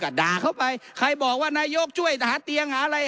ก็ด่าเข้าไปใครบอกว่านายกช่วยหาเตียงหาอะไร